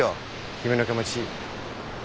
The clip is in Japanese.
君の気持ち。